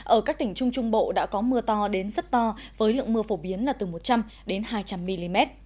ở các tỉnh trung trung bộ đã có mưa to đến rất to với lượng mưa phổ biến là từ một trăm linh hai trăm linh mm